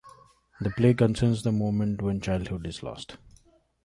The play concerns the moment when childhood is lost.